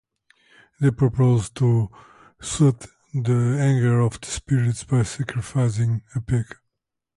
They proposed to soothe the anger of the spirits by sacrificing a pig.